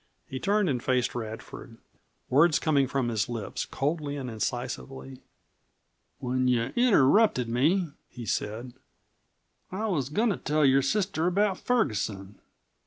He turned and faced Radford, words coming from his lips coldly and incisively. "When you interrupted me," he said, "I was goin' to tell your sister about Ferguson.